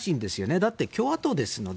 だって共和党なので。